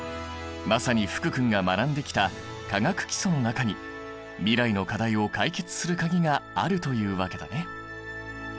まさに福君が学んできた「化学基礎」の中に未来の課題を解決する鍵があるというわけだね。